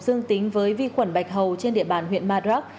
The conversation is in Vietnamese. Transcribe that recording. dương tính với vi khuẩn bạch hầu trên địa bàn huyện madrak